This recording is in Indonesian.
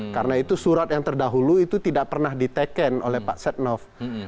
karena itu surat yang terdahulu itu tidak pernah diteken oleh pak setnov